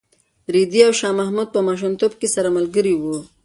رېدي او شاه محمود په ماشومتوب کې سره ملګري وو.